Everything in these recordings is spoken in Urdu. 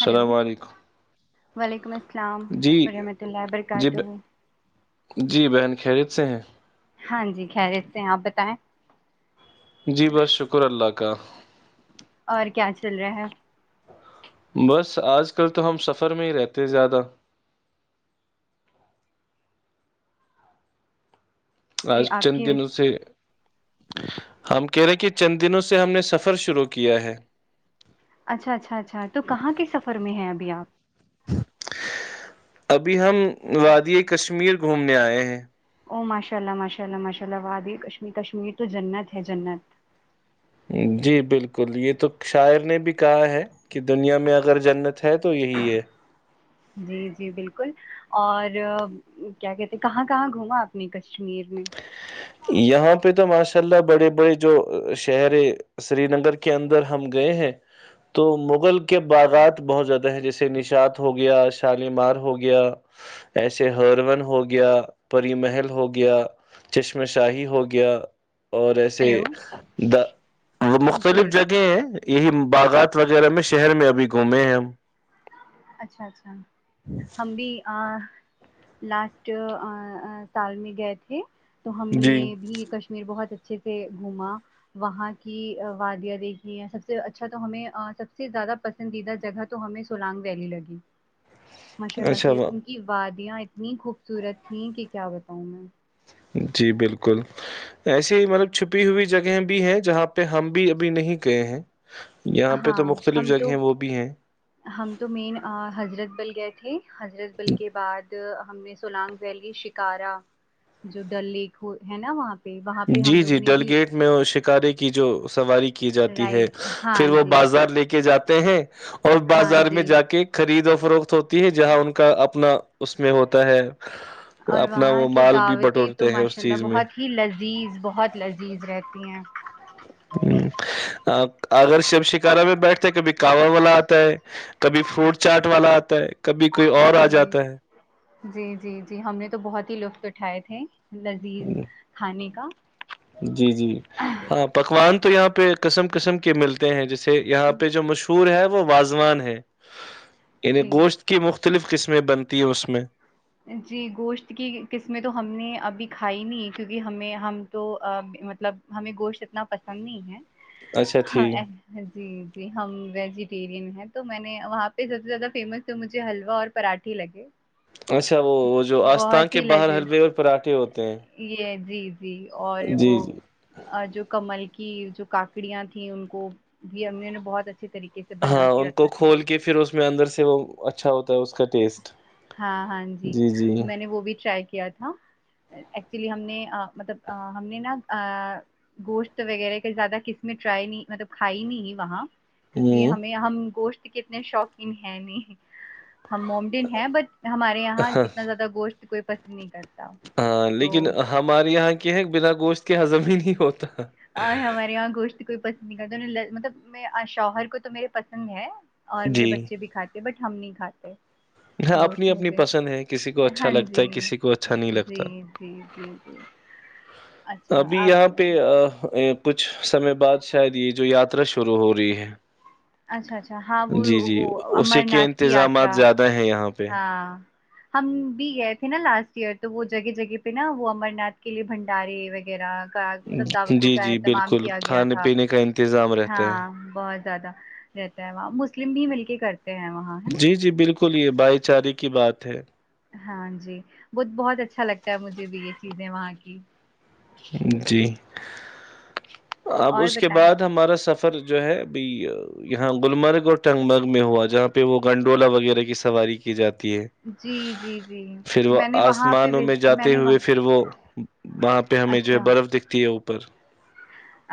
ہلو علیکم وعلیکم السلام جی السلام ورحمۃ اللہ جی وبرکاتہ جی بہن خریت سے ہیں ہاں جی خریت سے ہیں آپ بتائیں جی بس شکر اللہ کا ککہ [unintelligible] اور کیا چل رہا ہے بس آج کل تو ہم سفر میں ہی رہتے زیادہ آج جی آپ چند کی دن سے ہم کیرے کہ چند دنوں سے ہم نے سفر شروع کیا ہے اچھا اچھا اچھا تو کہاں کے سفر میں ہیں ابھی آپ ابھی ہم وادی کشمیر گھومنے آئے ہیں او ماشاء اللہ ماشاء اللہ ماشء اللہ وادی کش کشمیر تو جنت ہے جنت جی بالکل یہ تو شاعر نے بھی کہا ہے کہ دنیا میں اگر جنت ہے تو یہی ہے جی جی بالکل اور کیا کہتے کہاں کہاں گھوما آپ نے کشمیر میں یہاں پہ تو ماشاء اللہ بڑے بڑے جو شہر سری نگر کے اندر ہم گئے ہیں تو مغل کے باغات بہت زیادہ جیسے نشاط ہو گیا شالیمار ہو گیا ایسے ہر ون ہو گیا پری محل ہو گیا چشم اس میں شاہی ہو گیا اور ایسے ہیلو د وہ جی مختلف جگہیں ہیں یہی باغات وغیرہ میں شہر میں ابھی گھومے ہیں ہم اچھا اچھا ہممبی آ [unintelligible] لاسٹ سال میں گئے تھے تو ہم جی نے بھی کشمیر بہت اچا اچھے سے گھوما وہاں کی وادیاں دیکھی سب سے اچھا تو ہمیں سب سے زیادہ پسندیدہ جگہ تو ہمیں سلاانگ ریلی لگی ماشاء اللہ ش اچھا وہ ان کی وات ں اتنی خوبصورت تھیں کہ کیا بتاؤں میں جی بالکل ایسے ہی مطلب چھپی ہوئی جگہیں بھی ہیں جہاں پہ ہم بھی ابھی نہیں گئے ہیں یہاں پہ ہاں تو مختلف ہم تو جگہیں وہ بھی ہیں ہم تو مین حضرت بل گئے ٹھیک حضرت بل کے بعد ہم نے سلاانگ ویلی شکارا جو ڈل لیک ہو ہے نا وہاں پہ وہاں پہ ہم جی لوگ جی نے ڈل بھی گیٹ میں شکارے کی کی جو سواری کی کی جاتی ہے رائڈ ہاں پھر وہ جی بازار لے کے جاتے ت ہیں [unintelligible] اور ہاں بازار میں جی جا کے خرید اور فروخت ہوتی ہے جہاں ان کا اپنا اس میں ہوتا ہے اور اپنا وہاں وہ کی مال بھی دعوتیں تو بٹورتے ہیں اس ماشاء اللہ چیز میں بہت ہی لذ لذیذ بہت لذیذ رہتی ہیں اگر ش شکارا میں بیٹھتے کبھی کانوا والا آتا ہے کبھی فروٹ چاٹ والا آتا ہے کبھی کوئی اور جی آ جاتا ہے جی جی جی ہم نے تو بہت ہی لطف کر اٹھائے تھے [unintelligible] لذیذ کھانے کا جی جی ہاں پکوان تو یہاں پہ قسم قسم کے ملتے ہیں جس سے یہاں پہ جو مشہور ہے وہ واض زو ہے [unintelligible] انعیں جی گوشت کی مفت مختلف قسمیں بنتی ہیں اس میں جی گوشت کی قسمیں تو ہم نے ابھی کھائی نہیں کیونکہ ہمیں ہم تو مطلب ہمیں گوشت اتنا پسند نہیں اچھا ہے ٹھیک جی جی ہم ویجیٹیرین تو میں نے وہاں پہ سب سے زیادہ فیمس تو مجھے حلوا اور پراٹھی لگے اچھا وہ وہ جو آستھان بہت کے ہی باہر لذیذ حلوے اور پراھے ہوتے ہیں یہ جی جی اور وہ جی جی جو کمل کی جو کاکڑیاں تھیں ان کو بھی امیوں نے بہت اچھے طریقے سے بنا ہاں کے ان کو رکھا تھا کھول کے پھر اس اس میں اندر سے وہ اچھا ہوتا ہے اس کا ٹیسٹ ہاں ہاں جی میں نے وہ بھی ٹرائی کیا تھا ایکچولی ہم نے مطلب ہم نے نا گوشت وغیرہ کا زیادہ کس میں ٹرائی نہیں مطلب کھائی نہیں وہاں کیونکہ ہ ہمیں ہم گوشت کتنے شوقین ہیں نہیں ہم مومڈین ہیں ب ہمارے یہاں ہاں اتنا زیادہ گوشت کوئی پسند نہیں کرتا تو کہ بلا گوشت کے ہزم ہی نہیں ہوتا آاں ہمارے یہاں گوشت کوئی پ ن مطلب میں شوہر کو تو میرے پسند ہے اور میرے جی بچے بھی کھاتے ہیں بٹ ہم نہیں کھاتے ہ گوشت اپنی اپنی مجھے پسند ہے کسی کو اچھا ہاں لگتا جی ہے کسی کو اچھا نہیں جی لگتا جی جی جی اچھا ابھی آپ یہاں پہ کچھ سمے بعد شاید یہ جو یاترا شروع ہو رہی ہے اچھا اچھا ہاں وہ جی جی وہ اسی امر کے ناتھ کی انتظامات یاترا زیادہ ہیں یہاں پہ ہاں ہم بھی گئے تھے نا لاسٹ ایئر تو وہ جگہ جگہ پہ نا وہ امر ناتھ کے لیے بنڈارے وغیرہ مطلب دعوتوں جی کا جی اہتمام بالکل کیا گیا کھانے تھا پینے کا انتظام رہتا ہاں ہے بہت زیادہ رہتا ہے وہاں مسلم بھی مل کے کرتے ہیں وہاں ہے نا بکل یہ بھائی چارے کی بات ہے ہاں جی وہ بہت اچھا لگتا ہے مجھے بھی یہ چیزیں وہاں کی جی اب اور اس کے بتائیں بعد ہمارا سفر س فر جو ہے ابھھی یہاں گلمرگ اور ٹنگ مرگ میں ہوا جہاں پہ وہ گنڈولا وغیرہ کی سواری کی جاتی ہے جی جی جی پھر وہ میں نے وہاں پہ آسمانوں میں وز- جاتے نے ہوئے وہاں پھر وہ بائے پہ ہمیں جو ہے اچھا برف دکھتی ہے او [unintelligible]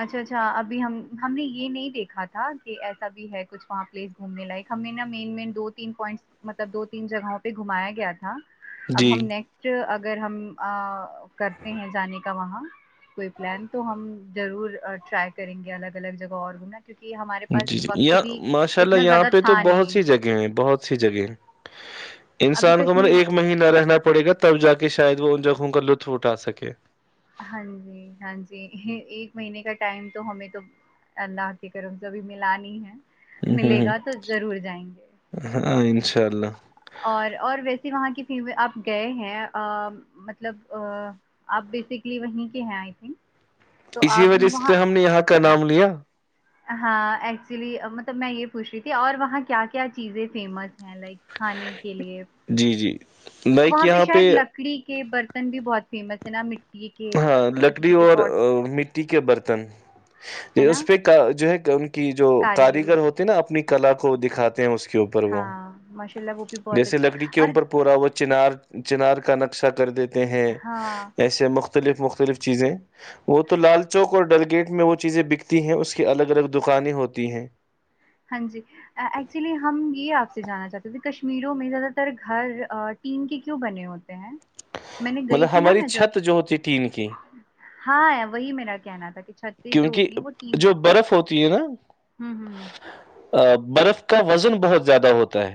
اچھا اچھا ابھی ہم ہم نے یہ نہیں دیکھا تھا کہ ایسا بھی ہے کچھ وہاں پلیس گھومنے لائک ہم نے نا مین مین دو تین پوائنٹ مطلب دو تین جگہوں پہ گھمایا گیا تھا اب جی ہم نیکسٹ اگر ہم کرتے ہیں جانے کے وہاں کوئی پلان تو ہم ضرور ٹرائی کریں گے الگ الگ جگہ اور گھمنا جی جی یہاں ماشاء اللہ اتنا یہاں زیادہ پہ تو تھا بہت نہیں سی جگہ ہیں بہت سی جگہ ہیں ابھی انسان کو مطلب کشمیر ایک مہینہ رہنا پڑے گا تب جا کے شاید وہ ان جگہوں کا لطف اٹھا سکے ہاں جی ہاں جی ایک مہینے کا ٹائم تو ہمیں تو اللہ کی طرف سے ابھی ملا نہیں ہے ہ ہ ملے ہ گا تو ضرور جائیں گے ہاں انشاء اللہ اور اور ویس وہاں کی ف آپ گئے ہیں مطلب آپ بیسکلی وہیں کے ہیں آئی تھنک تو اسی آپ وجہ وہاں سے ہم نے یہاں پر کا نام لیا ہاں ایکچولی مطلب میں یہ پوچھ رہی تھی اور وہاں کیا کیا چیزیں فیمس ہیں لائک کھانے کی جی جی بائک یہاں پہ شاید لکڑی کے برتن بھی بہت فیمس ہے نا م ہاں لکڑی اور مٹی کے برتن ہے یہ اس نا پہ کا جو ہے ان کی جو کاریگری کاریگر ہوتے نا اپنی کلا کو دکھاتے ہیں اس کے کے اوپر وہ ہاں ماشاء اللہ وہ بھی بہت جیسے اچھی لکڑی کے اور اوپر پورا وہ چنار چنار کا نقشہ کر دیتے ہیں ہاں ایسے مخت مختلف مختلف چیزیں وہ تو لال چوک اور ڈل گیٹ میں وہ چیزیں بکتی ہیں اس کی الگ الگ دکانیں ہوتی ہیں ہاں جی ایکچولی ہم یہ آپ سے جاننا چاہتے ہیں کہ کشمیروں میں زیادہ تر گھر ٹیین کے کیوں بنے ہوتے ہیں میں نے گئی مطلب تھی نا ہماری میں چھت جو ہوتی ٹین کی جب ہاں وہی میرا کہنا تھا کہ چھتیں جو کیونکہ ہوتی ہیں وہ ٹین جو برف ہوتی ہے نا ہوں ہوں برف کا وزن بہت زیادہ ہوتا ہے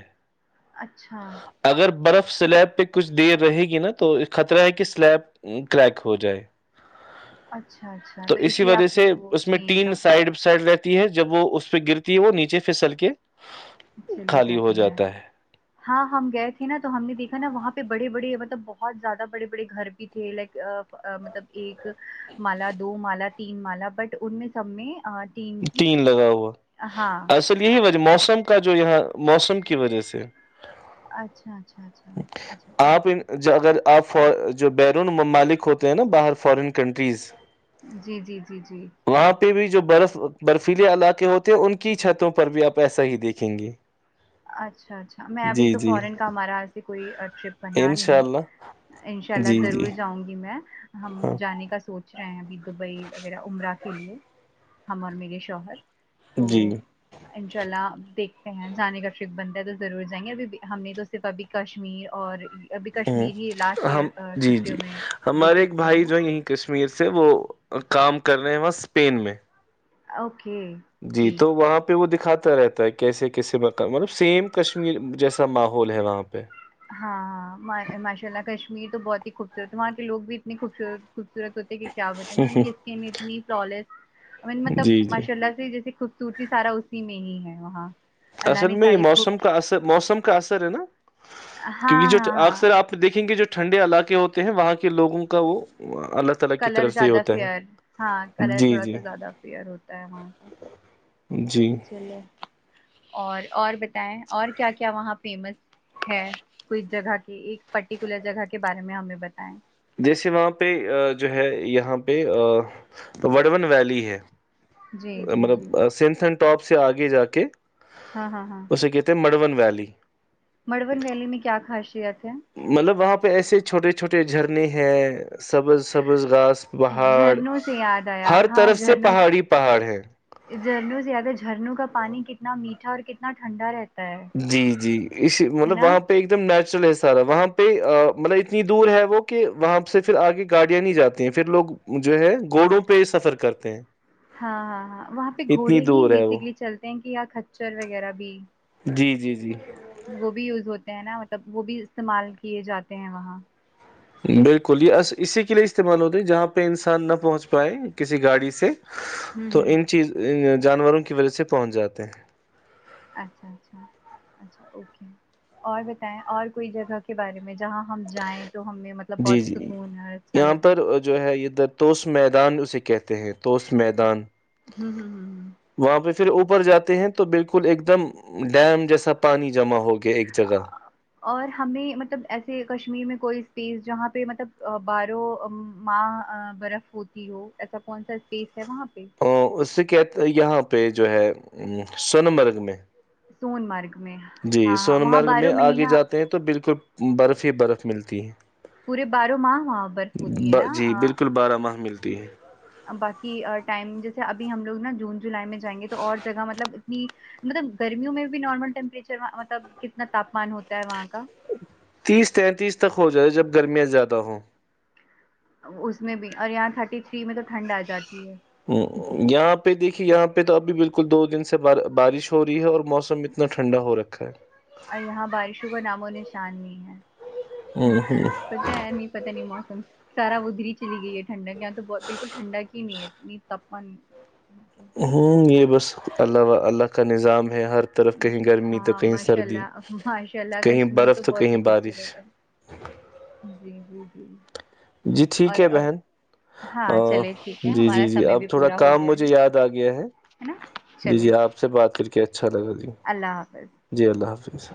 اچھا اگر برف سلیب پہ کچھ دیر رہے گی نا تو خطرہ ہے کہ سلیب کریک ہو جائے اچھا اچھا تو اس لیے وجہ آپ سے وہ اس میں ٹین کا تین سائڈ سائڈ رہتے ہے جب وہ اس پہ گرتی ہے وہ نیچے پھسل کے چلی خالی ہو جاتی ہے جاتا ہاں ہم گئے تھے نا تو ہم نے دیکھا نا وہاں پہ بڑے بڑے مطلب بہت زیادہ بڑے بڑے گھر بھی تھے لائک مطلب ایک مال دو مال تین مالا بٹ ان میں سب میں تین لگا ہوا ہاں اصل یہی وجہ موسم کا جو یہاں موسم کی وجہ سے اچھا اچھا اچھا اچھا آپ اوکے ان- جو اگر آپ جو بیرون ممالک ہوتے ہیں نا باہر فورین کنٹریز جی جی جی جی بھیئی جو برس برفیلے علاقے ہوتے ہیں ان کی چھتوں پر بھی آپ ایسا ہی دیکھیں گے اچھا اچھا میں ابھی جی تو جی فورن کا ہمارا یہاں سے کوئی ٹرپ بنا انشاء نہیں اللہ انشاء جی اللہ جی ضرور جاؤں گی میں ہم ہاں جانے کا سوچ رہایں بھی دبئی وغیرہ امرا کے لیے ہم اور میرے شوہر تو جی انشاء اللہ دیکھ جانے کا بنتا ہے تو ضرور جائیں گے ابھی ہم نے تو صرف ابھی کشمیر اور ابھی کشمیر ہی لاسٹ ہم ایئر جی جی چھٹیوں میں ہمارے وزٹ ایک کیا بھائی جو ہے یہیں کشمیر سے وہ کام کر رہے ہیں وہ اسپین میں اوک جی تو وہاں پہ وہ دیک دکھاتا رہتا ہے کیسے کیسے مطلب سیم کشمیر جیسا ماحول ہے وہاں پہ ہاں ہاں ما- ماشاء اللہ کشمیر بہت ہی تو وہاں کے لو بھی اتنی خوبصورت خوبصورت ہوتے کہ کیا بتا ان کی اسکن اتنی مطلب جی جی ماشاء اللہ سے جیسے خب تی سارا اسی میں ہی ہے وہاں اللہ اصل نے میں یہ ساری خوب موسم کا اثر موسم کا اثر ہے نا ہاں کیونکہ جو ہاں اکثر ہاں آپ دیکھیں گے جو ٹھنڈے علاقے ہوتے ہیں وہاں کے لوگوں کا وہ اللہ تعالی کی کلر طرف سے ہی زیادہ ہوتا ہے فیئر ہاں کلر جی تھوڑا جی سا زیادہ پیئر ہوتا ہے وہاں کا جی چلیے اور اور بتائیں اور کیا کیا وہاں فیمس ہے کوئی جگہ کے ایک پرٹیکولر جگہ کے بارے میں ہمیں بتائیں جیسے وہاں پہ جو ہے یہاں پہ وڑن ویلی ہے جی جی جی مطلب سین سین اپ سے آگے جا کے ہاں اسے کہتے ہیں مڑبن ویلی مڑبن ویلی میں کیا خاش [unintelligible] مطلب وہاں پر پہ ایسے چھوٹے چھوٹے جھرنے ہیں سبز سبز گاس پہاڑ جھرنوں سے یاد آیا ہر ہاں طرف سے جھرنوں پہاڑی پہاڑ ہے جھرنوں سے زیادہ جھرنوں کا پانی کتنا میٹھا اور کتنا ٹھنڈا رہتا ہے جی جی اس ہے مطلب نا وہاں پہ ایک دم نیچرل سارا وہاں پہ مطلب اتنی دور ہے وہ کہ وہاں سے پھر آگے گاڑیاں نہیں جاتی ہیں پھر لوگ جو ہے گوڑوں پہ سفر کرتے ہیں ہاں ہاں ہاں وہاں پہ اتنی گھوڑے ہی دور ہے وہ بیسکلی چلتے ہیں کہ اں کچر وغیرہ بھی جی جی جی وہ بھی یوز ہوتے ہیں نا مطلب وہ بھی استعمال کیے جاتے ہیں وہاں بالکل یہ اسی کے لیے استعمال ہوتے ہے جہاں پہ انسان نہ پہنچ پائے کسی گاڑی سے ہوں تو ہوں ان چیز جانوروں کی وجہ سے پہنچ جاتے ہیں اچھا اچھا اچھا اوکے اور بتائیں اور کوئی جگہ کے بارے میں جہاں ہم جائیں تو ہمیں مطلب جی بہت جی سکون اور اچھا یہاں لگے پر جو ہے یہ درتوس میدان اسے کیا کہتے ہیں و میدان ہوں ہوں ہوں ہوں واپس پھر اوپر جاتے ہیں تو بالکل ایک دم ڈیم جیسا پانی جمع ہوگیا کہ ایک جگہ اور ہمیں مطلب ایسے کشمیر میں کوئی اسپیس جہاں پہ مطلب بارو ماہ برف ہوتی ہو ایسا کون سا اسپیس ہے وہاں پہ ا اس سے کہتے ہیں یہاں پہ جو ہے سنمرگ میں سون مارگ جی سونمرگ میں آگے جاتے ہیں تو بالکل برف ہی برف ملتی ہے پورے بارہ ماہ برف ہوتی ہے نا تی باقی ٹائم جیسے ابھی ہم لوگ نا جون جولائی میں جائیں گے تو اور جگہ مطلب اتنی مطلب گرمیوں میں بھی نارمل ٹیمپریچر مطلب کتنا تاپمان ہوتا ہے وہاں کا تیس تینتیس تک ہو جائے جب گرمیاں زیادہ ہوں اس میں بھی اور یہاں تھرٹی تھری میں تو ٹھنڈ آ جاتی ہے ہ یہاں پہ دیکھ یہاں پہ تو ابھی بالکل دو دن سے بارش ہو رہی ہے اور موسم اتنا ٹھنڈا ہو رکھا ہے یہاں بارشوں کا ناموں نشان نہیں ہے پتا ہے نہیں پتا نہیں موسم سارا ری چلی گئی ہے ٹھنڈا یہاں تو بالکل ٹھنڈا کی نہیں ہے اتنی تاپان ہوں یہ بس اللہ اللہ کا نظام ہے ہر طرف کہیں گرمی تو ہاں کہیں ماشاء سردی اللہ ماشاء اللہ کہیں کشمیر برف تو بہت کہیں ہی بارش خوبصورت ہے جی جی جی جی ٹھیک اور ہے اور بہن ہاں چلے ٹھیک ہے جی ہمارا جی جی سمے بھی اب تھوڑا پورا ہو کام گیا ہے مجھے یاد آ گیا ہے نا جی چلے جی آپ سے بات کر کے اچھا لگا جی اللہ حافظ الدلہ حافظ